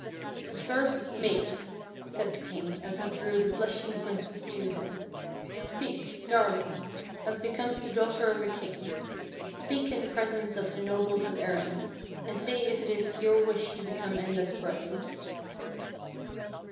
But first, Mave," said the king, as he drew the blushing princess to him, " speak, darling, as becomes the daughter of a king speak in the presence of the nobles of Erin, and say if it is your wish to become Enda's bride."